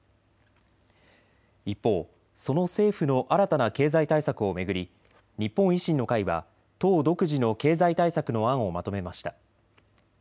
一方、その政府の新たな経済対策を巡り日本維新の会は党独自の経済対策の案をまとめました。